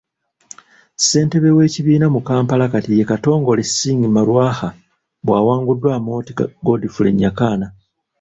Ssentebe w’ekibiina mu Kampala kati ye Katongole Singh Marwaha bwawangudde Amooti Godfrey Nyakana.